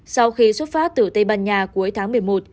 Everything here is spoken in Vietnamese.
sau khi xuất phát từ tây ban nha cuối tháng một mươi một